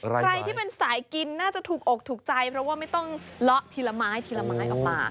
ใครที่เป็นสายกินน่าจะถูกอกถูกใจเพราะว่าไม่ต้องเลาะทีละไม้ทีละไม้ออกมา